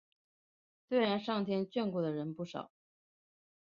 虽然上天眷顾的人不少